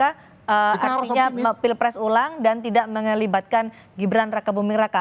artinya pilpres ulang dan tidak mengelibatkan gibran raka buming raka